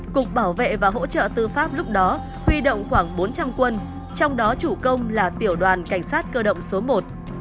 cục bảo vệ và hỗ trợ tư pháp lúc đó huy động khoảng bốn trăm linh quân trong đó chủ công là tiểu đoàn cảnh sát cơ động số một